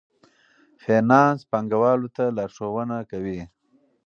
فینانس پانګوالو ته لارښوونه کوي.